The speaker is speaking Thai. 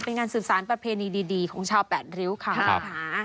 เป็นการสื่อสารประเพณีดีของชาวแปดริ้วค่ะ